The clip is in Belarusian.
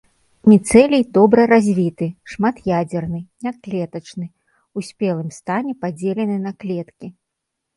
Міцэлій добра развіты, шмат'ядзерны, няклетачны, у спелым стане падзелены на клеткі.